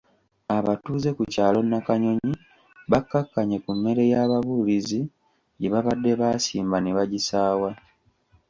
Abatuuze ku kyalo Nakanyonyi bakkakkanye ku mmere ya babuulizi gye babadde baasimba ne bagisaawa.